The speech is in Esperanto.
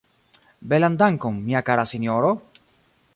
Belan dankon, mia kara sinjoro!